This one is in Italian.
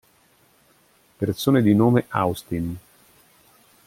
Persone di nome Austin